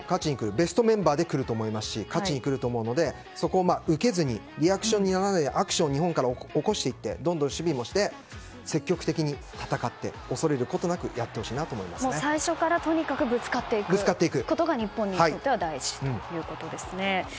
ベストメンバーで来ると思いますし勝ちにくると思うのでそこを受けずにリアクションに合わないでアクションを日本から起こしていって積極的に戦って恐れることなく最初からとにかくぶつかっていくことが日本にとっては大事だということですね。